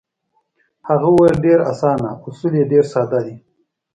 هغه وویل: ډېر اسانه، اصول یې ډېر ساده دي.